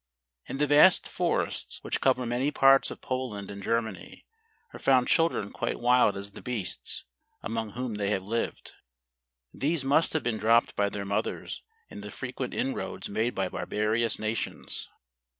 In the vast forests which cover many parts of Poland and Germany, are found children quite wild as the beasts, among whom they have lived. These must have been dropped by their mothers in the frequent inroads made by barbarous na¬ tions.